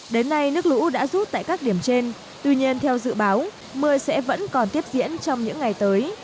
đến nay nước lũ đã rút tại các điểm trên tuy nhiên theo dự báo mưa sẽ vẫn còn tiếp diễn trong những ngày tới